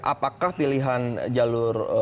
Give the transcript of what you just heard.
apakah pilihan jalur